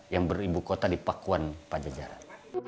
yang beribu kota di pakuan pajajaran